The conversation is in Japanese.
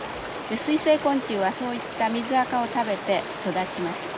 水生昆虫はそういった水アカを食べて育ちます。